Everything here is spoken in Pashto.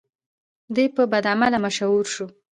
دی په بدعمله مشهور شو.